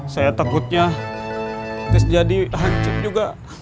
saya takutnya terus jadi hancur juga